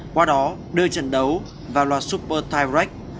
qua đó đưa trận đấu vào loạt super thai rách